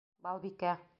Балбикә!